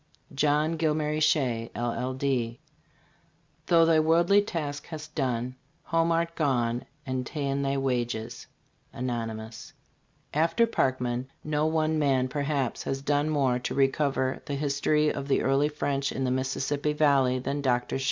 JOHN GILMARY SHEA, LL.D. Thou thy worldly task hast done, Home art gone and ta'en thy wages. Anon JOHN GILMARY SHEA, LL.D. After Parkman, no one man, perhaps, has done more to recover the his tory of the early French in the Mississippi valley than Dr Shea.